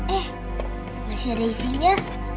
eh masih ada isinya